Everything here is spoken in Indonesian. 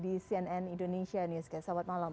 di cnn indonesia news kaya sahabat malam